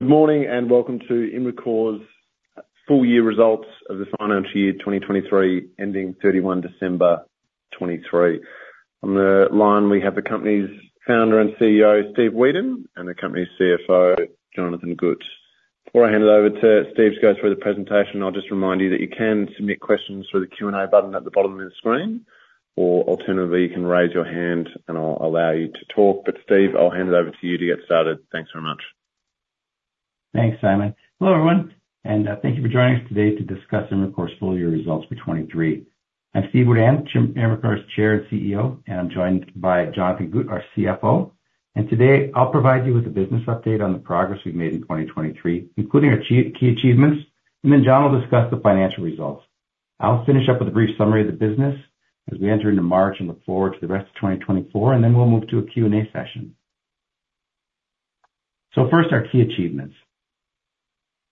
Good morning and welcome to Imricor's full-year results of the financial year 2023, ending 31 December, 2023. On the line, we have the company's founder and CEO, Steve Wedan, and the company's CFO, Jonathon Gut. Before I hand it over to Steve to go through the presentation, I'll just remind you that you can submit questions through the Q&A button at the bottom of the screen, or alternatively, you can raise your hand and I'll allow you to talk. But Steve, I'll hand it over to you to get started. Thanks very much.a Thanks, Simon. Hello everyone, and thank you for joining us today to discuss Imricor's full-year results for 2023. I'm Steve Wedan, Imricor's Chair and CEO, and I'm joined by Jonathon Gut, our CFO. Today, I'll provide you with a business update on the progress we've made in 2023, including our key achievements, and then Jon will discuss the financial results. I'll finish up with a brief summary of the business as we enter into March and look forward to the rest of 2024, and then we'll move to a Q&A session. First, our key achievements.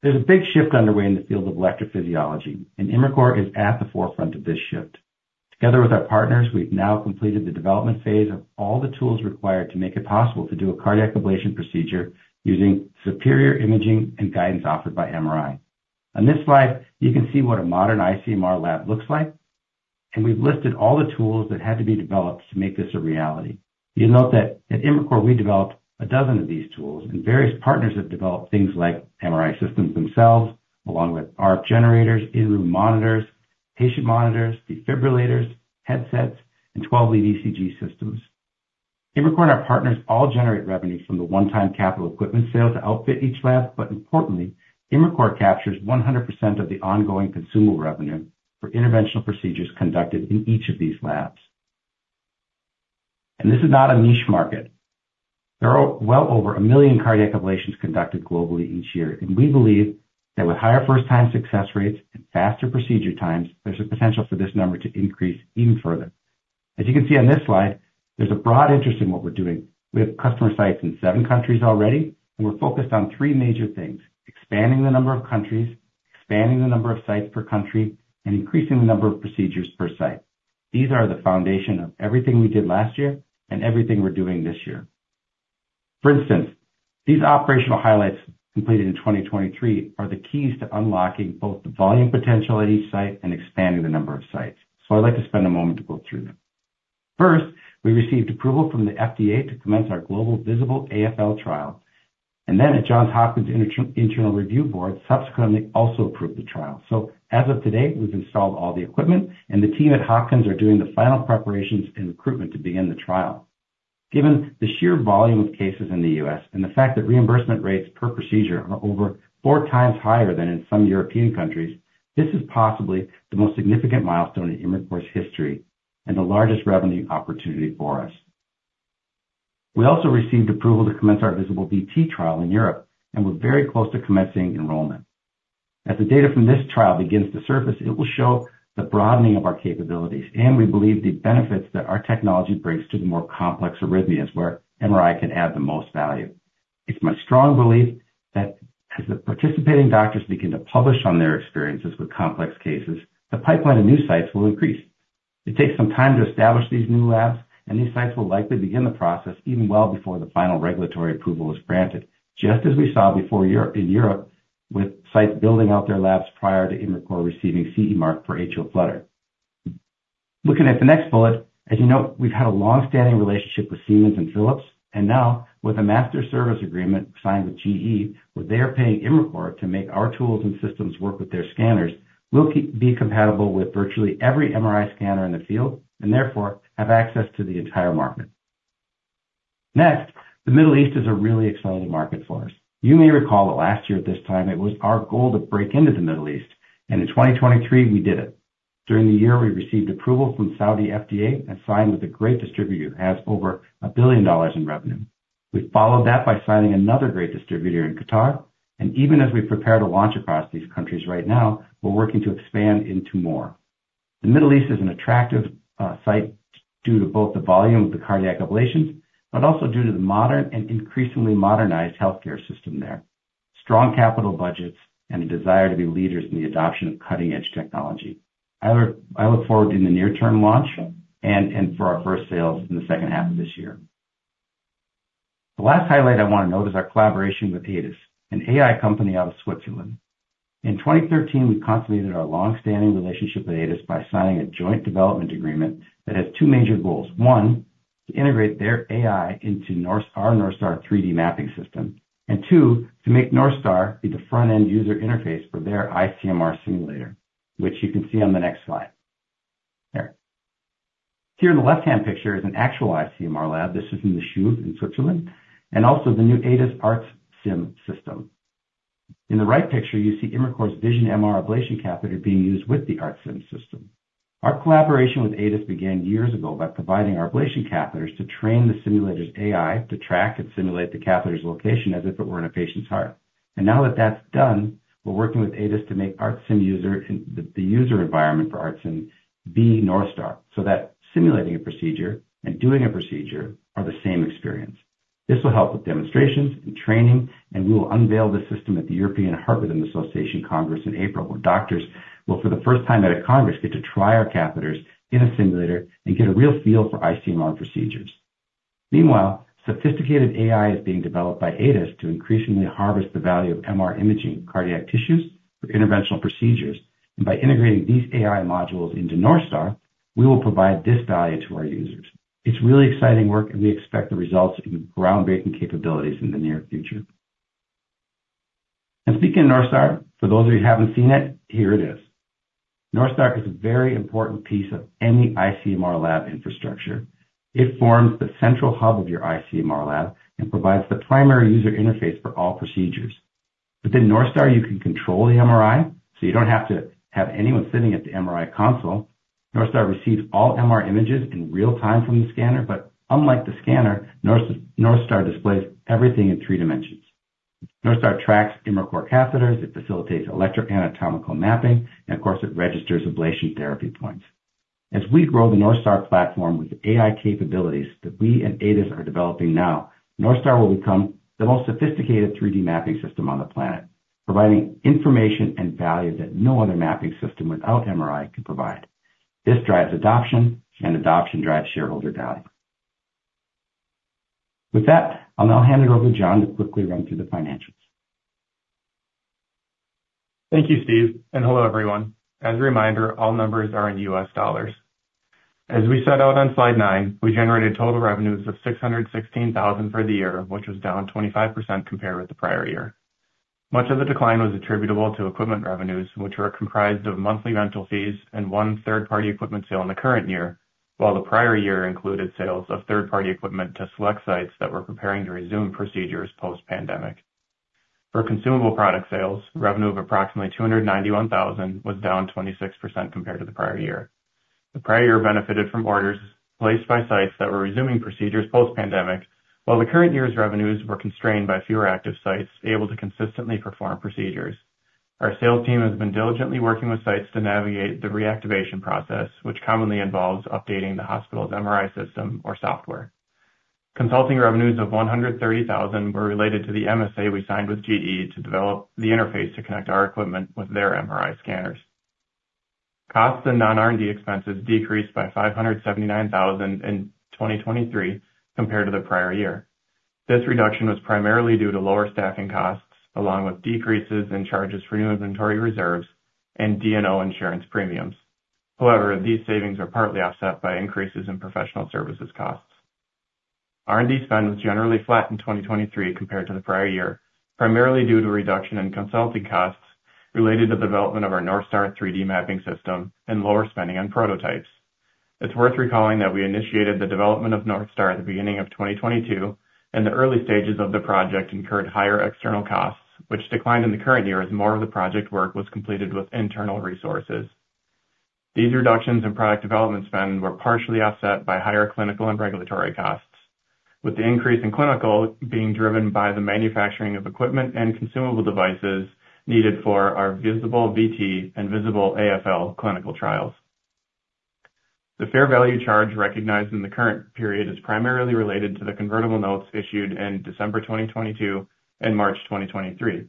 There's a big shift underway in the field of electrophysiology, and Imricor is at the forefront of this shift. Together with our partners, we've now completed the development phase of all the tools required to make it possible to do a cardiac ablation procedure using superior imaging and guidance offered by MRI. On this slide, you can see what a modern iCMR lab looks like, and we've listed all the tools that had to be developed to make this a reality. You'll note that at Imricor, we developed a dozen of these tools, and various partners have developed things like MRI systems themselves, along with RF generators, in-room monitors, patient monitors, defibrillators, headsets, and 12-lead ECG systems. Imricor and our partners all generate revenue from the one-time capital equipment sale to outfit each lab, but importantly, Imricor captures 100% of the ongoing consumable revenue for interventional procedures conducted in each of these labs. This is not a niche market. There are well over 1 million cardiac ablations conducted globally each year, and we believe that with higher first-time success rates and faster procedure times, there's a potential for this number to increase even further. As you can see on this slide, there's a broad interest in what we're doing. We have customer sites in seven countries already, and we're focused on three major things: expanding the number of countries, expanding the numbers of sites per country, and increasing the number of procedures per site. These are the foundation of everything we did last year and everything we're doing this year. For instance, these operational highlights completed in 2023 are the keys to unlocking both the volume potential at each site and expanding the number of sites. So I'd like to spend a moment to go through them. First, we received approval from the FDA to commence our global VISABL-AFL trial, and then at Johns Hopkins Institutional Review Board subsequently also approved the trial. As of today, we've installed all the equipment, and the team at Hopkins are doing the final preparations and recruitment to begin the trial. Given the sheer volume of cases in the U.S. and the fact that reimbursement rates per procedure are over four times higher than in some European countries, this is possibly the most significant milestone in Imricor's history and the largest revenue opportunity for us. We also received approval to commence our VISABL-VT trial in Europe and we're very close to commencing enrollment. As the data from this trial begins to surface, it will show the broadening of our capabilities, and we believe the benefits that our technology brings to the more complex arrhythmias where MRI can add the most value. It's my strong belief that as the participating doctors begin to publish on their experiences with complex cases, the pipeline of new sites will increase. It takes some time to establish these new labs, and these sites will likely begin the process even well before the final regulatory approval is granted, just as we saw before in Europe with sites building out their labs prior to Imricor receiving CE Mark for atrial flutter. Looking at the next bullet, as you know, we've had a longstanding relationship with Siemens and Philips, and now with a master service agreement signed with GE where they are paying Imricor to make our tools and systems work with their scanners, we'll be compatible with virtually every MRI scanner in the field and therefore have access to the entire market. Next, the Middle East is a really exciting market for us. You may recall that last year at this time, it was our goal to break into the Middle East, and in 2023, we did it. During the year, we received approval from Saudi FDA and signed with a great distributor who has over $1 billion in revenue. We followed that by signing another great distributor in Qatar, and even as we prepare to launch across these countries right now, we're working to expand into more. The Middle East is an attractive sight due to both the volume of the cardiac ablations but also due to the modern and increasingly modernized healthcare system there, strong capital budgets, and a desire to be leaders in the adoption of cutting-edge technology. I look forward to the near-term launch and for our first sales in the second half of this year. The last highlight I want to note is our collaboration with ADAS, an AI company out of Switzerland. In 2013, we consolidated our longstanding relationship with ADAS by signing a joint development agreement that has two major goals: one, to integrate their AI into our NorthStar 3D Mapping System, and two, to make NorthStar be the front-end user interface for their iCMR simulator, which you can see on the next slide. There. Here in the left-hand picture is an actual iCMR lab. This is in the CHUV in Switzerland and also the new ADAS ARTSim system. In the right picture, you see Imricor's Vision-MR ablation catheter being used with the ARTSim system. Our collaboration with ADAS began years ago by providing our ablation catheters to train the simulator's AI to track and simulate the catheter's location as if it were in a patient's heart. Now that that's done, we're working with ADAS to make ARTSim user the user environment for ARTSim be NorthStar so that simulating a procedure and doing a procedure are the same experience. This will help with demonstrations and training, and we will unveil the system at the European Heart Rhythm Association Congress in April where doctors will, for the first time at a congress, get to try our catheters in a simulator and get a real feel for iCMR procedures. Meanwhile, sophisticated AI is being developed by ADAS to increasingly harvest the value of MR imaging of cardiac tissues for interventional procedures, and by integrating these AI modules into NorthStar, we will provide this value to our users. It's really exciting work, and we expect the results in groundbreaking capabilities in the near future. Speaking of NorthStar, for those of you who haven't seen it, here it is. NorthStar is a very important piece of any iCMR lab infrastructure. It forms the central hub of your iCMR lab and provides the primary user interface for all procedures. Within NorthStar, you can control the MRI so you don't have to have anyone sitting at the MRI console. NorthStar receives all MR images in real-time from the scanner, but unlike the scanner, NorthStar displays everything in three dimensions. NorthStar tracks Imricor catheters. It facilitates electroanatomical mapping, and of course, it registers ablation therapy points. As we grow the NorthStar platform with the AI capabilities that we and ADAS are developing now, NorthStar will become the most sophisticated 3D mapping system on the planet, providing information and value that no other mapping system without MRI can provide. This drives adoption, and adoption drives shareholder value. With that, I'll now hand it over to Jon to quickly run through the financials. Thank you, Steve, and hello everyone. As a reminder, all numbers are in US dollars. As we set out on slide nine, we generated total revenues of $616,000 for the year, which was down 25% compared with the prior year. Much of the decline was attributable to equipment revenues, which were comprised of monthly rental fees and one third-party equipment sale in the current year, while the prior year included sales of third-party equipment to select sites that were preparing to resume procedures post-pandemic. For consumable product sales, revenue of approximately $291,000 was down 26% compared to the prior year. The prior year benefited from orders placed by sites that were resuming procedures post-pandemic, while the current year's revenues were constrained by fewer active sites able to consistently perform procedures. Our sales team has been diligently working with sites to navigate the reactivation process, which commonly involves updating the hospital's MRI system or software. Consulting revenues of $130,000 were related to the MSA we signed with GE to develop the interface to connect our equipment with their MRI scanners. Costs and non-R&D expenses decreased by $579,000 in 2023 compared to the prior year. This reduction was primarily due to lower staffing costs, along with decreases in charges for new inventory reserves and D&O insurance premiums. However, these savings are partly offset by increases in professional services costs. R&D spend was generally flat in 2023 compared to the prior year, primarily due to reduction in consulting costs related to the development of our NorthStar 3D Mapping System and lower spending on prototypes. It's worth recalling that we initiated the development of NorthStar at the beginning of 2022, and the early stages of the project incurred higher external costs, which declined in the current year as more of the project work was completed with internal resources. These reductions in product development spend were partially offset by higher clinical and regulatory costs, with the increase in clinical being driven by the manufacturing of equipment and consumable devices needed for our VISABL-VT and VISABL-AFL clinical trials. The fair value charge recognized in the current period is primarily related to the convertible notes issued in December 2022 and March 2023.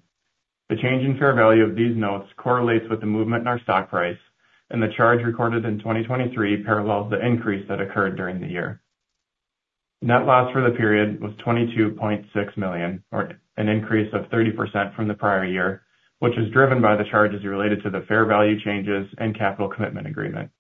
The change in fair value of these notes correlates with the movement in our stock price, and the charge recorded in 2023 parallels the increase that occurred during the year. Net loss for the period was $22.6 million, an increase of 30% from the prior year, which was driven by the charges related to the fair value changes and capital commitment agreement.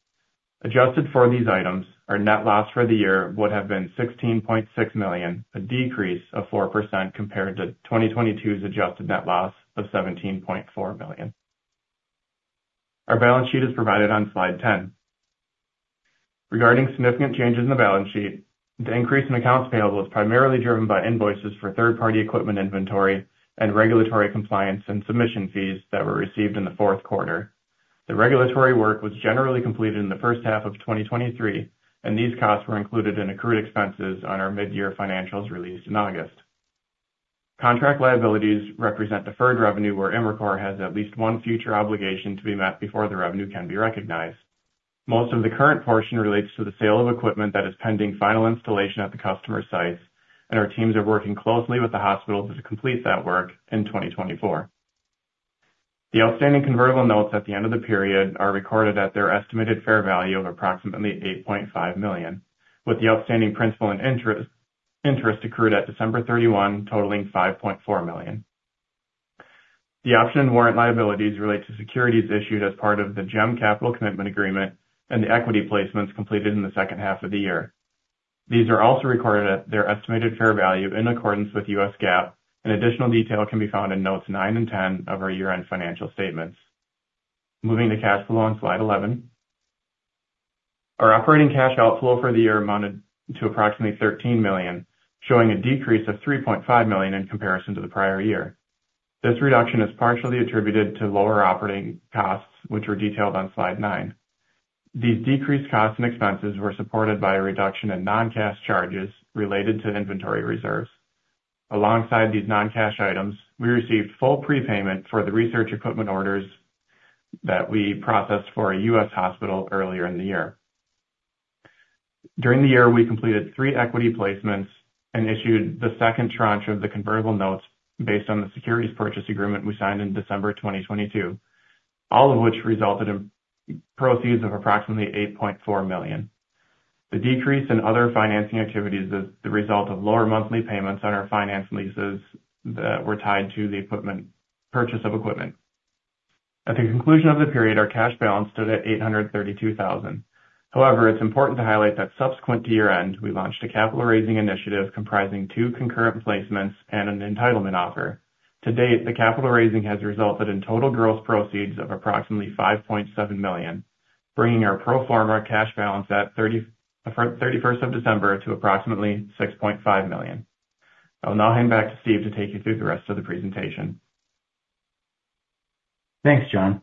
Adjusted for these items, our net loss for the year would have been $16.6 million, a decrease of 4% compared to 2022's adjusted net loss of $17.4 million. Our balance sheet is provided on slide 10. Regarding significant changes in the balance sheet, the increase in accounts payable is primarily driven by invoices for third-party equipment inventory and regulatory compliance and submission fees that were received in the fourth quarter. The regulatory work was generally completed in the first half of 2023, and these costs were included in accrued expenses on our mid-year financials released in August. Contract liabilities represent deferred revenue where Imricor has at least one future obligation to be met before the revenue can be recognized. Most of the current portion relates to the sale of equipment that is pending final installation at the customer sites, and our teams are working closely with the hospitals to complete that work in 2024. The outstanding convertible notes at the end of the period are recorded at their estimated fair value of approximately $8.5 million, with the outstanding principal and interest accrued at December 31, totaling $5.4 million. The option and warrant liabilities relate to securities issued as part of the GEM capital commitment agreement and the equity placements completed in the second half of the year. These are also recorded at their estimated fair value in accordance with U.S. GAAP, and additional detail can be found in notes nine and 10 of our year-end financial statements. Moving to cash flow on slide 11. Our operating cash outflow for the year amounted to approximately $13 million, showing a decrease of $3.5 million in comparison to the prior year. This reduction is partially attributed to lower operating costs, which were detailed on slide nine. These decreased costs and expenses were supported by a reduction in non-cash charges related to inventory reserves. Alongside these non-cash items, we received full prepayment for the research equipment orders that we processed for a U.S. hospital earlier in the year. During the year, we completed three equity placements and issued the second tranche of the convertible notes based on the securities purchase agreement we signed in December 2022, all of which resulted in proceeds of approximately $8.4 million. The decrease in other financing activities is the result of lower monthly payments on our finance leases that were tied to the purchase of equipment. At the conclusion of the period, our cash balance stood at $832,000. However, it's important to highlight that subsequent to year-end, we launched a capital raising initiative comprising two concurrent placements and an entitlement offer. To date, the capital raising has resulted in total gross proceeds of approximately $5.7 million, bringing our pro forma cash balance at 31st of December to approximately $6.5 million. I'll now hand back to Steve to take you through the rest of the presentation. Thanks, Jon.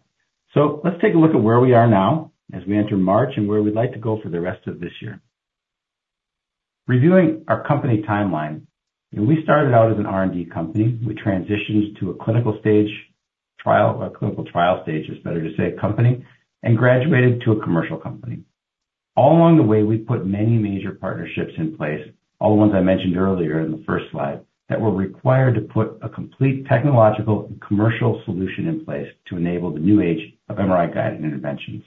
Let's take a look at where we are now as we enter March and where we'd like to go for the rest of this year. Reviewing our company timeline, we started out as an R&D company. We transitioned to a clinical stage trial or clinical trial stage, is better to say, company, and graduated to a commercial company. All along the way, we put many major partnerships in place, all the ones I mentioned earlier in the first slide, that were required to put a complete technological and commercial solution in place to enable the new age of MRI-guided interventions.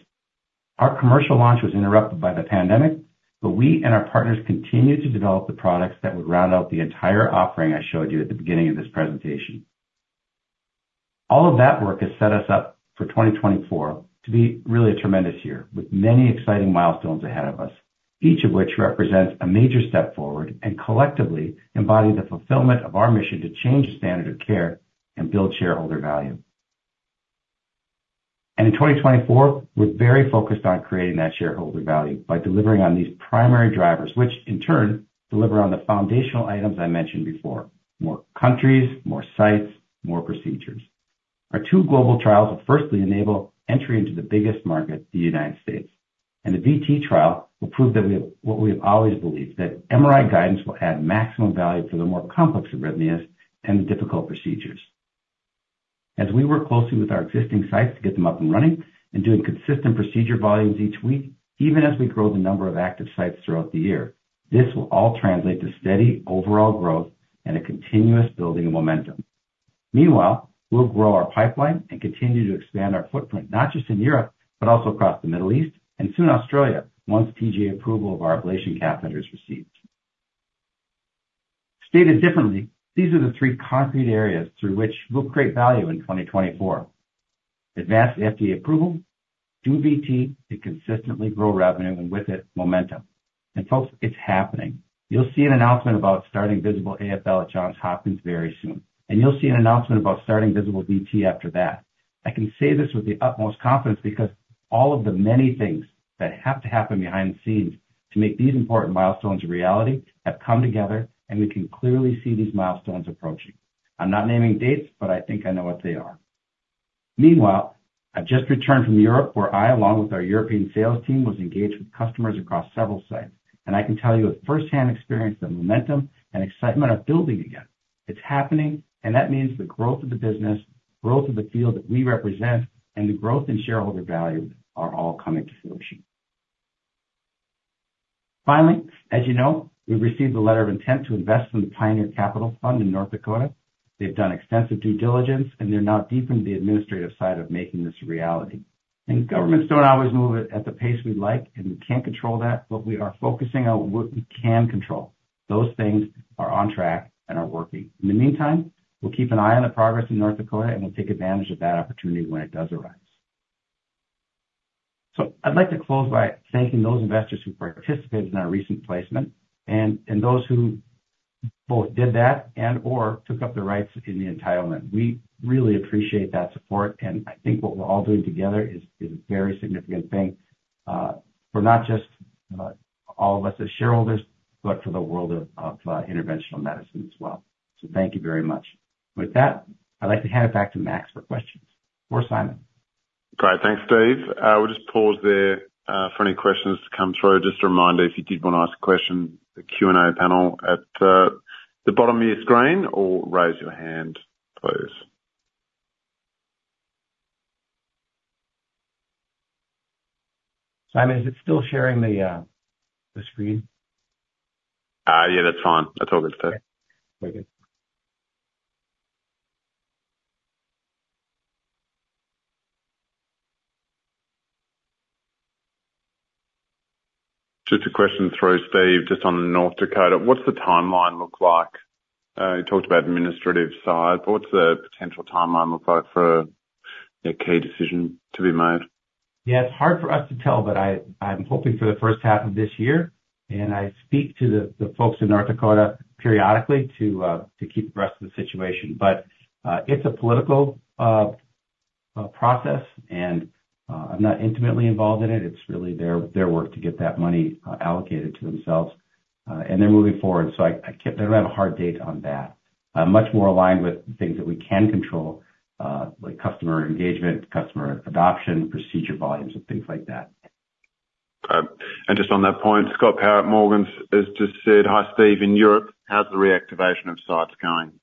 Our commercial launch was interrupted by the pandemic, but we and our partners continued to develop the products that would round out the entire offering I showed you at the beginning of this presentation. All of that work has set us up for 2024 to be really a tremendous year with many exciting milestones ahead of us, each of which represents a major step forward and collectively embodies the fulfillment of our mission to change the standard of care and build shareholder value. In 2024, we're very focused on creating that shareholder value by delivering on these primary drivers, which in turn deliver on the foundational items I mentioned before: more countries, more sites, more procedures. Our two global trials will firstly enable entry into the biggest market, the United States, and the VT trial will prove what we have always believed, that MRI guidance will add maximum value for the more complex arrhythmias and the difficult procedures. As we work closely with our existing sites to get them up and running and doing consistent procedure volumes each week, even as we grow the number of active sites throughout the year, this will all translate to steady overall growth and a continuous building of momentum. Meanwhile, we'll grow our pipeline and continue to expand our footprint not just in Europe but also across the Middle East and soon Australia once TGA approval of our ablation catheters received. Stated differently, these are the three concrete areas through which we'll create value in 2024: advanced FDA approval, do VT to consistently grow revenue and with it, momentum. Folks, it's happening. You'll see an announcement about starting VISABL-AFL at Johns Hopkins very soon, and you'll see an announcement about starting VISABL-VT after that. I can say this with the utmost confidence because all of the many things that have to happen behind the scenes to make these important milestones a reality have come together, and we can clearly see these milestones approaching. I'm not naming dates, but I think I know what they are. Meanwhile, I've just returned from Europe where I, along with our European sales team, was engaged with customers across several sites. I can tell you with firsthand experience that momentum and excitement are building again. It's happening, and that means the growth of the business, growth of the field that we represent, and the growth in shareholder value are all coming to fruition. Finally, as you know, we've received the letter of intent to invest in the Pioneer Capital Fund in North Dakota. They've done extensive due diligence, and they're now deep into the administrative side of making this a reality. Governments don't always move at the pace we'd like, and we can't control that, but we are focusing on what we can control. Those things are on track and are working. In the meantime, we'll keep an eye on the progress in North Dakota, and we'll take advantage of that opportunity when it does arise. I'd like to close by thanking those investors who participated in our recent placement and those who both did that and/or took up the rights in the entitlement. We really appreciate that support, and I think what we're all doing together is a very significant thing for not just all of us as shareholders but for the world of interventional medicine as well. Thank you very much. With that, I'd like to hand it back to Max for questions or Simon. All right. Thanks, Steve. We'll just pause there for any questions to come through. Just a reminder, if you did want to ask a question, the Q&A panel at the bottom of your screen or raise your hand, please. Simon, is it still sharing the screen? Yeah, that's fine. That's all good, Steve. Okay. Very good. Just a question through, Steve, just on North Dakota. What's the timeline look like? You talked about administrative side, but what's the potential timeline look like for a key decision to be made? Yeah, it's hard for us to tell, but I'm hoping for the first half of this year. I speak to the folks in North Dakota periodically to keep abreast of the situation. It's a political process, and I'm not intimately involved in it. It's really their work to get that money allocated to themselves, and they're moving forward. I don't have a hard date on that. I'm much more aligned with things that we can control, like customer engagement, customer adoption, procedure volumes, and things like that. All right. Just on that point, Scott Power at Morgans has just said, "Hi, Steve. In Europe, how's the reactivation of sites going?"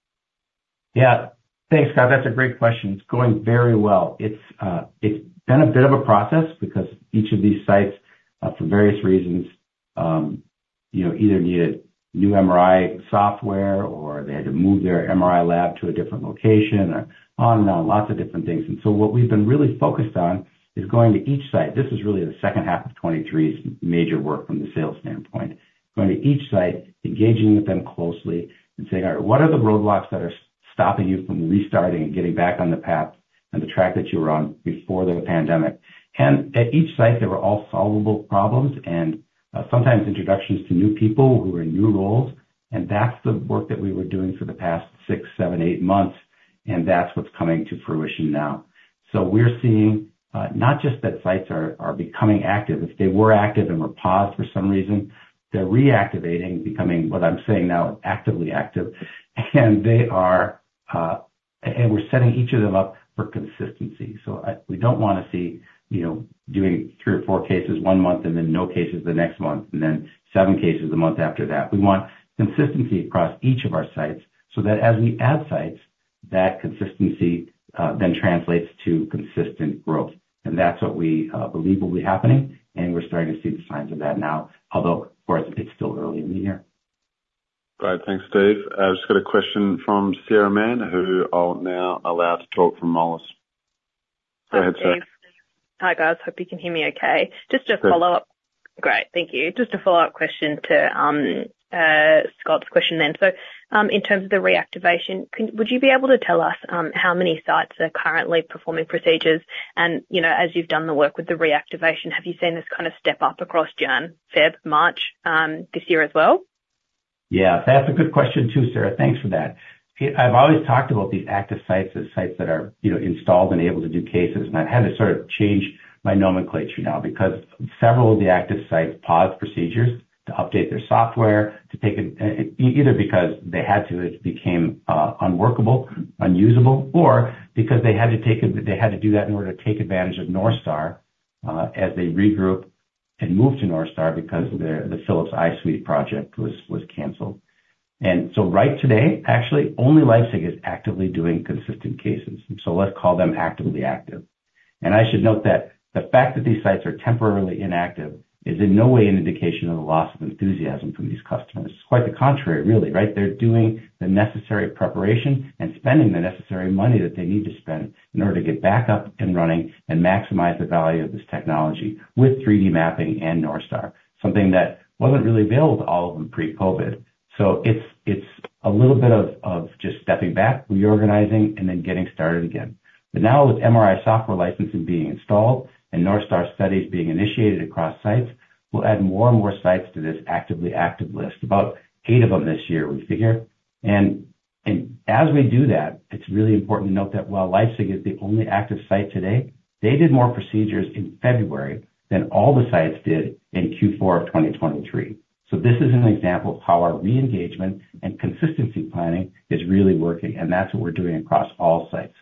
Yeah. Thanks, Scott. That's a great question. It's going very well. It's been a bit of a process because each of these sites, for various reasons, either needed new MRI software or they had to move their MRI lab to a different location or on and on, lots of different things. And so what we've been really focused on is going to each site - this is really the second half of 2023's major work from the sales standpoint - going to each site, engaging with them closely, and saying, "All right, what are the roadblocks that are stopping you from restarting and getting back on the path and the track that you were on before the pandemic?" And at each site, there were all solvable problems and sometimes introductions to new people who were in new roles. That's the work that we were doing for the past six, seven, eight months, and that's what's coming to fruition now. So we're seeing not just that sites are becoming active. If they were active and were paused for some reason, they're reactivating, becoming what I'm saying now, actively active. We're setting each of them up for consistency. So we don't want to see doing three or four cases one month and then no cases the next month and then seven cases the month after that. We want consistency across each of our sites so that as we add sites, that consistency then translates to consistent growth. That's what we believe will be happening, and we're starting to see the signs of that now, although, of course, it's still early in the year. All right. Thanks, Steve. I've just got a question from Sarah Mann who I'll now allow to talk from Moelis. Go ahead, Sarah. Hi, Steve. Hi, guys. Hope you can hear me okay. Just a follow-up. Perfect. Great. Thank you. Just a follow-up question to Scott's question then. So in terms of the reactivation, would you be able to tell us how many sites are currently performing procedures? And as you've done the work with the reactivation, have you seen this kind of step up across January, February, March this year as well? Yeah. That's a good question too, Sarah. Thanks for that. I've always talked about these active sites as sites that are installed and able to do cases. I've had to sort of change my nomenclature now because several of the active sites paused procedures to update their software either because they had to, it became unworkable, unusable, or because they had to do that in order to take advantage of NorthStar as they regrouped and moved to NorthStar because the Philips iSuite project was cancelled. So right today, actually, only Leipzig is actively doing consistent cases. So let's call them actively active. I should note that the fact that these sites are temporarily inactive is in no way an indication of the loss of enthusiasm from these customers. It's quite the contrary, really, right? They're doing the necessary preparation and spending the necessary money that they need to spend in order to get back up and running and maximize the value of this technology with 3D mapping and NorthStar, something that wasn't really available to all of them pre-COVID. So it's a little bit of just stepping back, reorganizing, and then getting started again. But now with MRI software licensing being installed and NorthStar studies being initiated across sites, we'll add more and more sites to this actively active list, about eight of them this year, we figure. And as we do that, it's really important to note that while Leipzig is the only active site today, they did more procedures in February than all the sites did in Q4 of 2023. This is an example of how our re-engagement and consistency planning is really working, and that's what we're doing across all sites.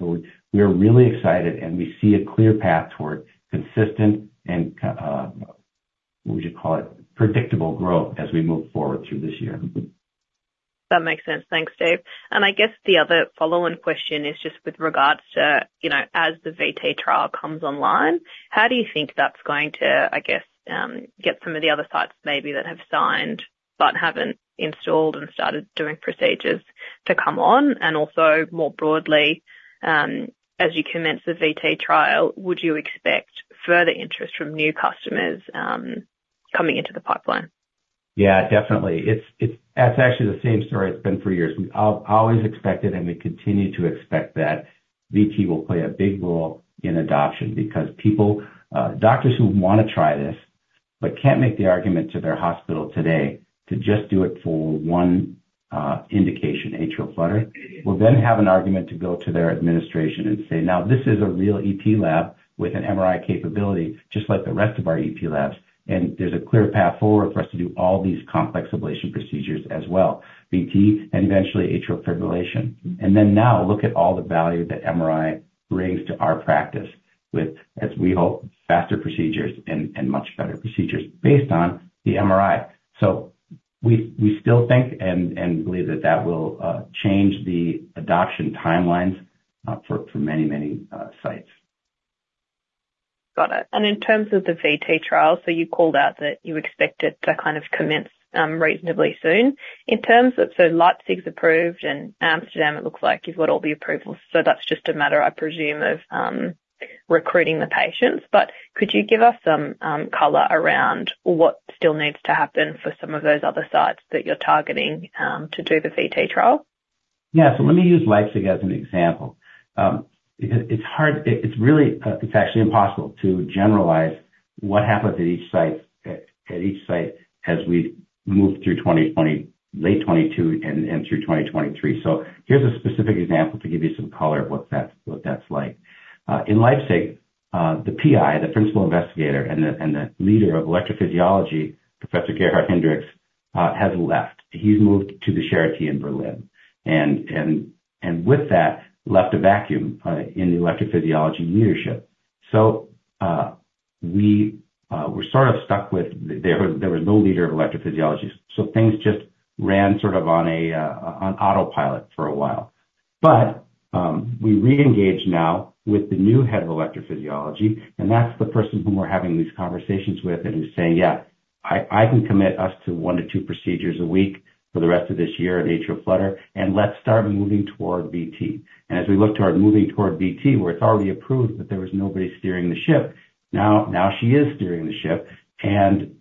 We are really excited, and we see a clear path toward consistent and what would you call it? Predictable growth as we move forward through this year. That makes sense. Thanks, Steve. And I guess the other following question is just with regards to as the VT trial comes online, how do you think that's going to, I guess, get some of the other sites maybe that have signed but haven't installed and started doing procedures to come on? And also more broadly, as you commence the VT trial, would you expect further interest from new customers coming into the pipeline? Yeah, definitely. That's actually the same story. It's been for years. I've always expected, and we continue to expect that VT will play a big role in adoption because doctors who want to try this but can't make the argument to their hospital today to just do it for one indication, atrial flutter, will then have an argument to go to their administration and say, "Now, this is a real EP lab with an MRI capability just like the rest of our EP labs, and there's a clear path forward for us to do all these complex ablation procedures as well, VT and eventually atrial fibrillation." And then now look at all the value that MRI brings to our practice with, as we hope, faster procedures and much better procedures based on the MRI. We still think and believe that that will change the adoption timelines for many, many sites. Got it. And in terms of the VT trial, so you called out that you expect it to kind of commence reasonably soon. So Leipzig's approved, and Amsterdam, it looks like, you've got all the approvals. So that's just a matter, I presume, of recruiting the patients. But could you give us some color around what still needs to happen for some of those other sites that you're targeting to do the VT trial? Yeah. So let me use Leipzig as an example because it's actually impossible to generalize what happens at each site as we move through late 2022 and through 2023. So here's a specific example to give you some color of what that's like. In Leipzig, the PI, the principal investigator, and the leader of electrophysiology, Professor Gerhard Hindricks, has left. He's moved to the Charité in Berlin and with that, left a vacuum in the electrophysiology leadership. So we were sort of stuck with, there was no leader of electrophysiology. So things just ran sort of on autopilot for a while. We re-engage now with the new head of electrophysiology, and that's the person whom we're having these conversations with and who's saying, "Yeah, I can commit us to one-two procedures a week for the rest of this year in atrial flutter, and let's start moving toward VT." As we look toward moving toward VT, where it's already approved that there was nobody steering the ship, now she is steering the ship, and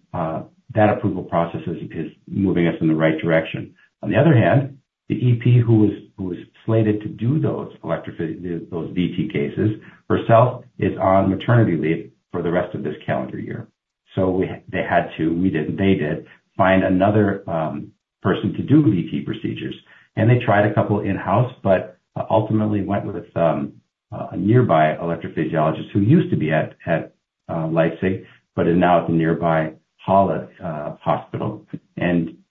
that approval process is moving us in the right direction. On the other hand, the EP who was slated to do those VT cases, herself, is on maternity leave for the rest of this calendar year. They had to, we didn't, they did, find another person to do VT procedures. They tried a couple in-house but ultimately went with a nearby electrophysiologist who used to be at Leipzig but is now at the nearby Halle Hospital.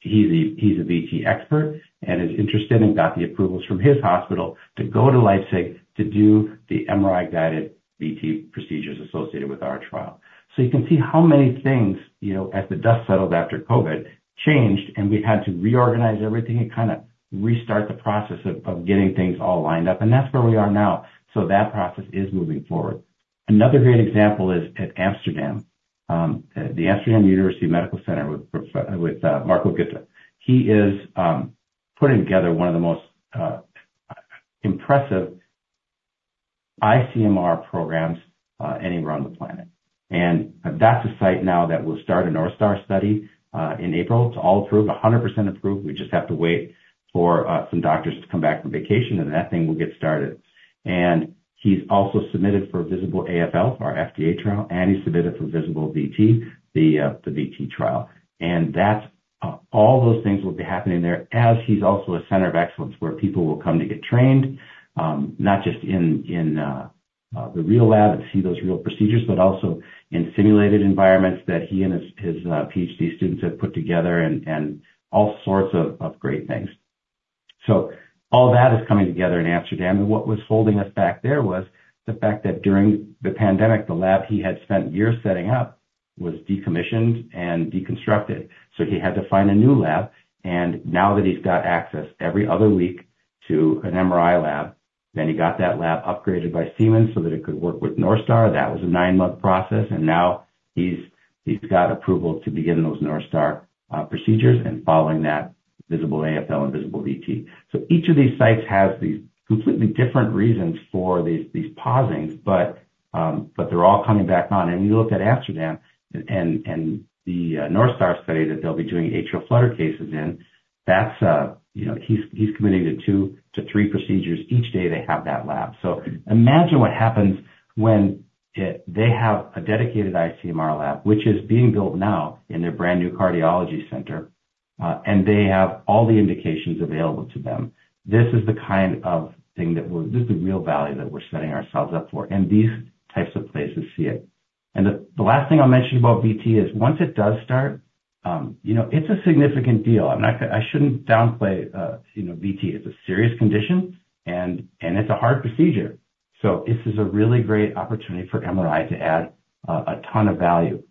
He's a VT expert and is interested and got the approvals from his hospital to go to Leipzig to do the MRI-guided VT procedures associated with our trial. So you can see how many things, as the dust settled after COVID, changed, and we had to reorganize everything and kind of restart the process of getting things all lined up. That's where we are now. So that process is moving forward. Another great example is at Amsterdam, the Amsterdam University Medical Center with Marco Götte. He is putting together one of the most impressive iCMR programs anywhere on the planet. That's a site now that will start a NorthStar study in April. It's all approved, 100% approved. We just have to wait for some doctors to come back from vacation, and that thing will get started. And he's also submitted for VISABL-AFL, our FDA trial, and he submitted for VISABL-VT, the VT trial. And all those things will be happening there as he's also a center of excellence where people will come to get trained, not just in the real lab and see those real procedures but also in simulated environments that he and his PhD students have put together and all sorts of great things. So all that is coming together in Amsterdam. And what was holding us back there was the fact that during the pandemic, the lab he had spent years setting up was decommissioned and deconstructed. So he had to find a new lab. And now that he's got access every other week to an MRI lab, then he got that lab upgraded by Siemens so that it could work with NorthStar. That was a nine-month process. And now he's got approval to begin those NorthStar procedures and following that VISABL-AFL and VISABL-VT. So each of these sites has these completely different reasons for these pausings, but they're all coming back on. And when you look at Amsterdam and the NorthStar study that they'll be doing atrial flutter cases in, he's committing to two-three procedures each day they have that lab. So imagine what happens when they have a dedicated iCMR lab, which is being built now in their brand new cardiology center, and they have all the indications available to them. This is the kind of thing, the real value that we're setting ourselves up for, and these types of places see it. The last thing I'll mention about VT is once it does start, it's a significant deal. I shouldn't downplay VT. It's a serious condition, and it's a hard procedure. This is a really great opportunity for MRI to add a ton of value.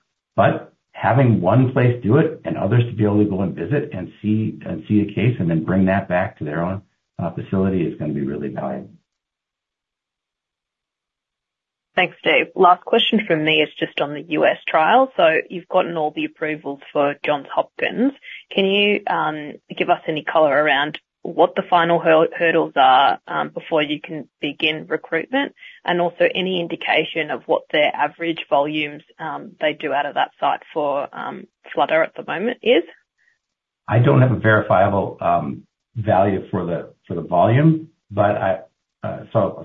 Having one place do it and others to be able to go and visit and see a case and then bring that back to their own facility is going to be really valuable. Thanks, Steve. Last question from me is just on the U.S. trial. So you've gotten all the approvals for Johns Hopkins. Can you give us any color around what the final hurdles are before you can begin recruitment and also any indication of what their average volumes they do out of that site for flutter at the moment is? I don't have a verifiable value for the volume, so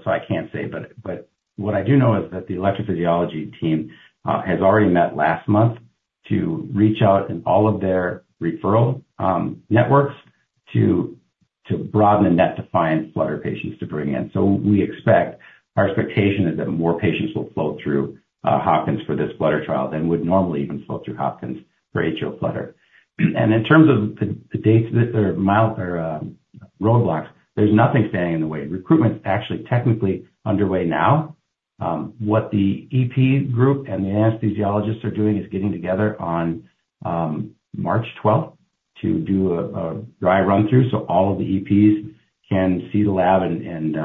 I can't say. But what I do know is that the electrophysiology team has already met last month to reach out in all of their referral networks to broaden and identify flutter patients to bring in. So our expectation is that more patients will flow through Johns Hopkins for this flutter trial than would normally even flow through Johns Hopkins for atrial flutter. And in terms of the dates that there are roadblocks, there's nothing standing in the way. Recruitment's actually technically underway now. What the EP group and the anesthesiologists are doing is getting together on March 12th to do a dry run-through so all of the EPs can see the lab and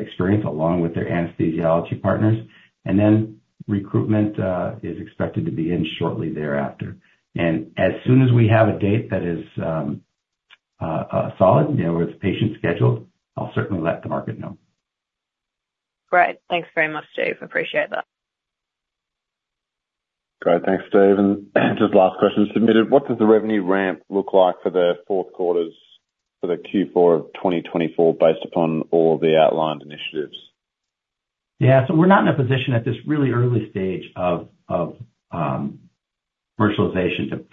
experience along with their anesthesiology partners. And then recruitment is expected to begin shortly thereafter. As soon as we have a date that is solid where it's patient scheduled, I'll certainly let the market know. Great. Thanks very much, Steve. Appreciate that. Great. Thanks, Steve. And just last question submitted. What does the revenue ramp look like for the fourth quarters for the Q4 of 2024 based upon all of the outlined initiatives? Yeah. So we're not in a position at this really early stage of commercialization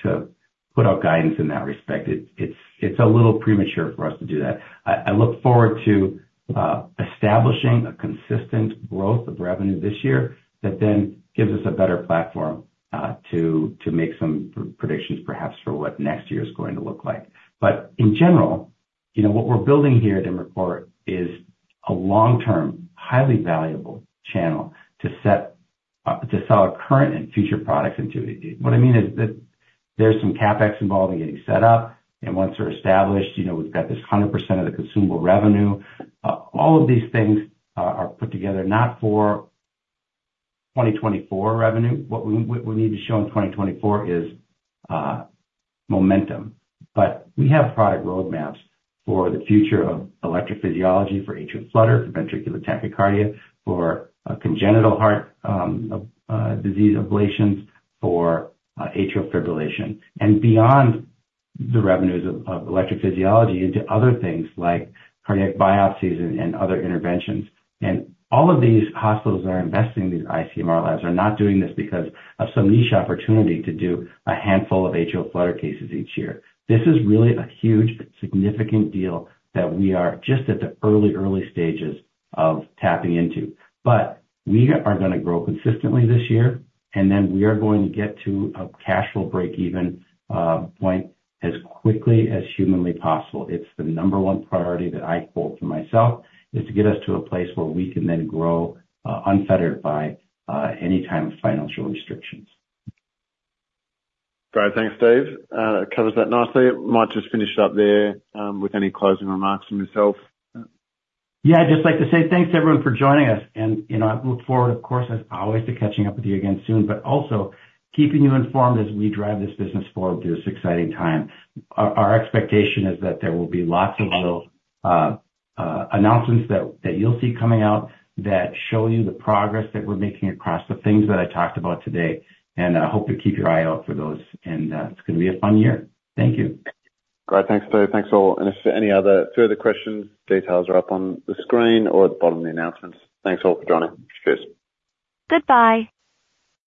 to put out guidance in that respect. It's a little premature for us to do that. I look forward to establishing a consistent growth of revenue this year that then gives us a better platform to make some predictions perhaps for what next year is going to look like. But in general, what we're building here at Imricor is a long-term, highly valuable channel to sell our current and future products into. What I mean is that there's some CapEx involved in getting set up. And once they're established, we've got this 100% of the consumable revenue. All of these things are put together not for 2024 revenue. What we need to show in 2024 is momentum. We have product roadmaps for the future of electrophysiology for atrial flutter, for ventricular tachycardia, for congenital heart disease ablations, for atrial fibrillation, and beyond the revenues of electrophysiology into other things like cardiac biopsies and other interventions. All of these hospitals that are investing in these iCMR labs are not doing this because of some niche opportunity to do a handful of atrial flutter cases each year. This is really a huge, significant deal that we are just at the early, early stages of tapping into. We are going to grow consistently this year, and then we are going to get to a cash flow break-even point as quickly as humanly possible. It's the number one priority that I quote for myself is to get us to a place where we can then grow unfettered by any type of financial restrictions. Great. Thanks, Steve. That covers that nicely. Might just finish it up there with any closing remarks from yourself? Yeah. I'd just like to say thanks, everyone, for joining us. I look forward, of course, as always, to catching up with you again soon but also keeping you informed as we drive this business forward through this exciting time. Our expectation is that there will be lots of little announcements that you'll see coming out that show you the progress that we're making across the things that I talked about today. I hope to keep your eye out for those. It's going to be a fun year. Thank you. Great. Thanks, Steve. Thanks, all. If any other further questions, details are up on the screen or at the bottom of the announcements. Thanks, all, for joining. Cheers.